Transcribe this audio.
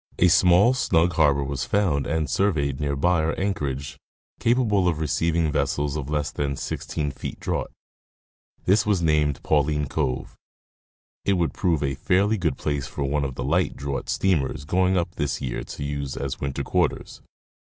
A small, snug harbor was found and surveyed near by our anchorage, capable of receiving vessels of less than 16 feet draught ; this was named Pauline cove. It would prove a fairly good place for one of the light draught steamers going up this year to use as winter quarters.